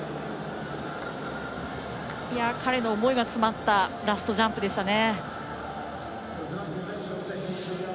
彼の思いが詰まったラストジャンプでしたね。